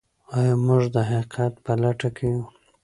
آیا موږ د حقیقت په لټه کې یو؟